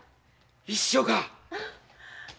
一緒か？